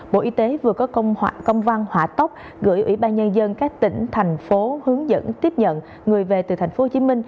bộ y tế vừa có công văn hỏa tốc gửi ủy ban nhân dân các tỉnh thành phố hướng dẫn tiếp nhận người về từ tp hcm